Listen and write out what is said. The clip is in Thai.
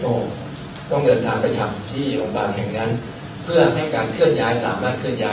ต้องเดินทางไปทำกิจห่วงบ้านแห่งนั้นเพื่อฆ่าให้เครื่องสามารถเคลื่อนได้